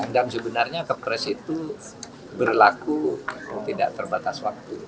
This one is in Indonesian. dan sebenarnya kepres itu berlaku tidak terbatas waktu